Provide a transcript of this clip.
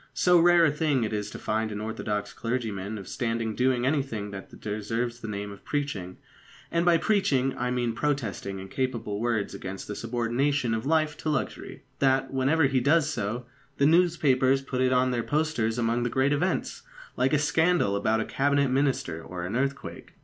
So rare a thing is it to find an orthodox clergyman of standing doing anything that deserves the name of preaching and by preaching I mean protesting in capable words against the subordination of life to luxury that, whenever he does so, the newspapers put it on their posters among the great events, like a scandal about a Cabinet Minister or an earthquake.